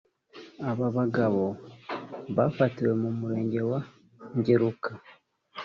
Aba bagabo bafatiwe mu Murenge wa Ngeruka